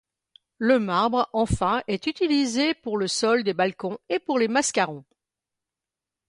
Le marbre enfin est utilisé pour le sol des balcons et pour les mascarons.